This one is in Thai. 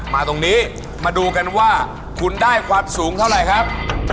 มาตรงนี้มาดูกันว่าคุณได้ความสูงเท่าไหร่ครับ